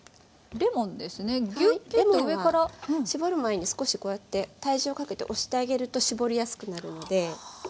レモンは搾る前に少しこうやって体重をかけて押してあげると搾りやすくなるので。